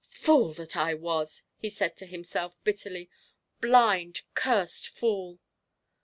"Fool that I was!" he said to himself, bitterly; "blind, cursed fool!"